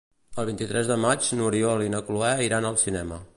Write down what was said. El vint-i-tres de maig n'Oriol i na Cloè iran al cinema.